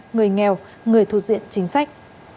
người nghèo người thu diện chính sách